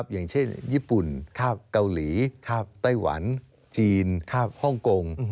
อย่างเช่นญี่ปุ่นเกาหลีไต้หวันจีนฮ่องกง